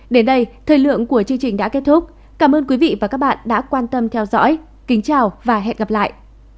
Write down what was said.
đến đây thời lượng của chương trình đã kết thúc cảm ơn quý vị và các bạn đã quan tâm theo dõi kính chào và hẹn gặp lại